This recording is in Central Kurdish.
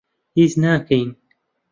هیچ ناکەین.